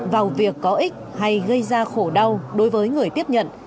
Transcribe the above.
vào việc có ích hay gây ra khổ đau đối với người tiếp nhận